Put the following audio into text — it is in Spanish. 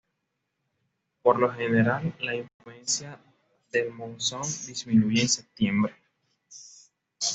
Por lo general, la influencia del monzón disminuye en septiembre.